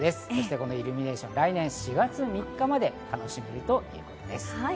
このイルミネーションは来年４月３日まで楽しめるということです。